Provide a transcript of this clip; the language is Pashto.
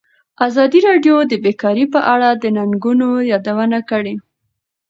ازادي راډیو د بیکاري په اړه د ننګونو یادونه کړې.